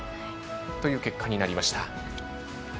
という結果になりました。